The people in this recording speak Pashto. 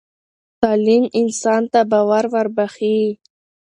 تعلیم انسان ته باور وربخښي.